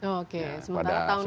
oke sementara tahun ini